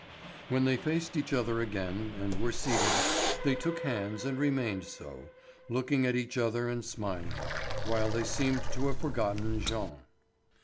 When they faced each other again, and were seated, they took hands and remained so, looking at each and smiling, while they seemed to have forgotten Jean.